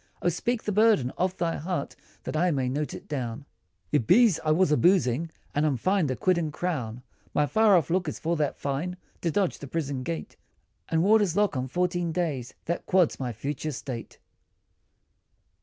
O speak the burden of thy heart, That I may note it down," "It be's I was a boozin', and I'm fined a quid and crown, My far off look, is for that fine, To dodge the prison gate, And warders' lock on fourteen days, That quads my future state.